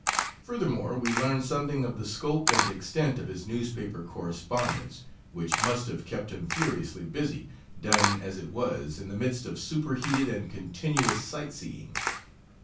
Furthermore, we learn something of the scope and extent of his newspaper correspondence, which must have kept him furiously busy, done as it was in the midst of super heated and continuous sight seeing.